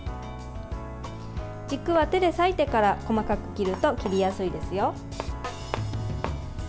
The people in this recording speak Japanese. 軸は手で裂いてから細かく切ると切りやすいですよ。